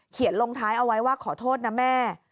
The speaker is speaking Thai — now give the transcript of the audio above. ลงท้ายเอาไว้ว่าขอโทษนะแม่